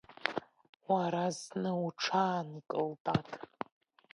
Уара зны уҽаанкыл, дад!